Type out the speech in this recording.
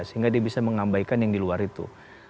sehingga dia bisa mengabaikan yang di luar itu